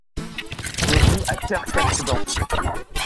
On vit à terre quatre dents.